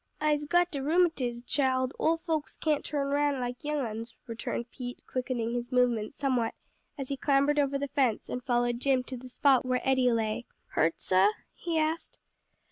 "Ise got de rheumatiz, chile; ole folks can't turn roun' like young uns," returned Pete quickening his movements somewhat as he clambered over the fence and followed Jim to the spot where Eddie lay. "Hurt, sah?" he asked.